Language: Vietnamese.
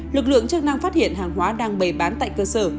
lực lượng chức năng phát hiện hàng hóa đang bày bán tại cơ sở